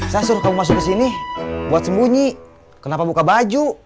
saya suruh kamu masuk ke sini buat sembunyi kenapa buka baju